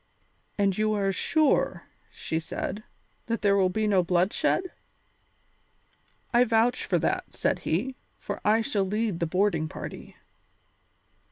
"And are you sure," she said, "that there will be no bloodshed?" "I vouch for that," said he, "for I shall lead the boarding party."